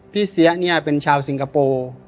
เสียเนี่ยเป็นชาวสิงคโปร์